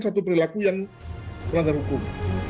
satu perilaku yang melanggar hukum